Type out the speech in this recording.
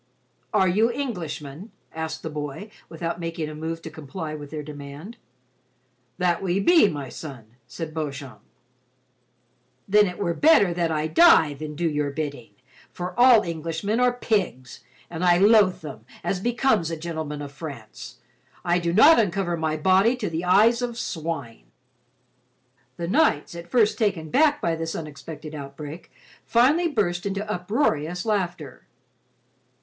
"Are you Englishmen?" asked the boy without making a move to comply with their demand. "That we be, my son," said Beauchamp. "Then it were better that I die than do your bidding, for all Englishmen are pigs and I loathe them as becomes a gentleman of France. I do not uncover my body to the eyes of swine." The knights, at first taken back by this unexpected outbreak, finally burst into uproarious laughter.